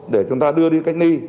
để chúng ta đưa đi cách ni